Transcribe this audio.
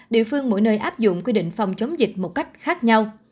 địa phương mỗi nơi áp dụng quy định phòng chống dịch một cách khác nhau